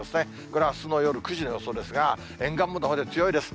これはあすの夜９時の予想ですが、沿岸部のほうで強いです。